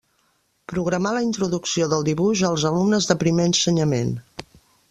Programà la introducció del dibuix als alumnes de primer ensenyament.